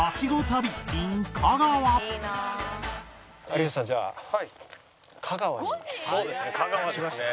有吉さんじゃあ香川に来ました。